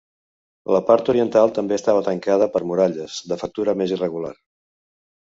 La part oriental també estava tancada per muralles, de factura més irregular.